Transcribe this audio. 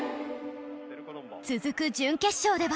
続く準決勝では